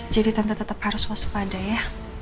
jadi tante tetap harus waspada ya